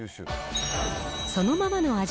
そのままの味